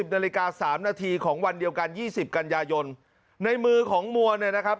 นาฬิกา๓นาทีของวันเดียวกัน๒๐กันยายนในมือของมัวเนี่ยนะครับ